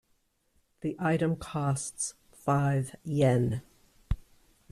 The item costs five Yen.